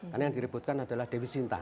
karena yang direbutkan adalah dewi sinta